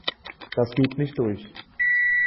Das geht nicht durch!